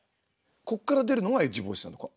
ここから出るのがエッジボイスなのか。